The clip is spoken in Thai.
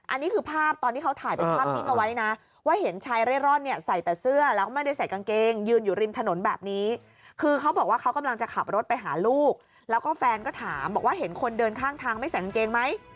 อันนี้คือภาพตอนที่เขาถ่ายเป็นภาพนิ่งเอาไว้นะว่าเห็นชายเร่ร่อนเนี่ยใส่แต่เสื้อแล้วก็ไม่ได้ใส่กางเกงยืนอยู่ริมถนนแบบนี้คือเขาบอกว่าเขากำลังจะขับรถไปหาลูกแล้วก็แฟนก็ถามบอกว่าเห็นคนเดินข้างทางไม่ใส่กางเกงไหม